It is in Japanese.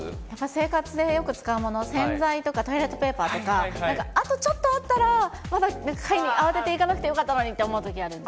生活でよく使うもの、洗剤とかトイレットペーパーとか、なんかあとちょっとあったら、まだ買いに慌てて行かなくてもよかったのにって思うときあるんで。